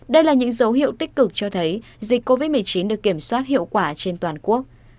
đây là những dấu hiệu tích cực cho thấy dịch covid một mươi chín được kiểm soát hiệu quả trên toàn quốc